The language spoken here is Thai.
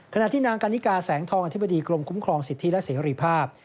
ขณะที่นางกันนิกาแสงทองอธิบดีกรมคุ้มครองสิทธิและเสรีภาพ